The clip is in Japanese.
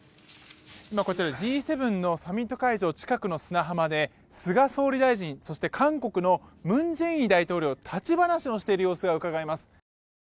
「Ｇ７サミット会場近くの砂浜で菅総理大臣そして韓国の文在寅大統領が立ち話をしている様子が伺えます。」